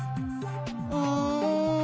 うん。